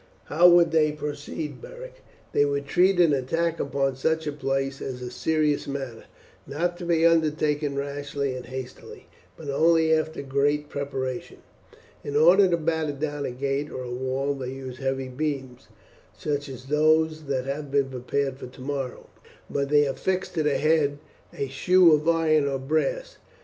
"How would they proceed, Beric?" "They would treat an attack upon such a place as a serious matter, not to be undertaken rashly and hastily, but only after great preparation. In order to batter down a gate or a wall they use heavy beams, such as those that have been prepared for tomorrow, but they affix to the head a shoe of iron or brass.